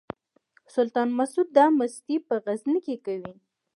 سلطان مسعود دا مستي په غزني کې کوي.